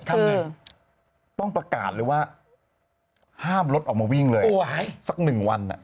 ทำไงต้องประกาศเลยว่าห้ามรถออกมาวิ่งเลยสักหนึ่งวันอ่ะ